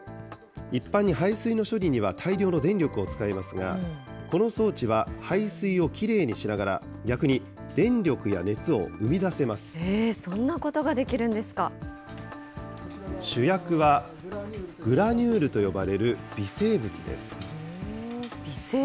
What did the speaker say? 一般に排水の処理には大量の電力を使いますが、この装置は、排水をきれいにしながら、えー、主役は、グラニュールと呼ばれる微生物です。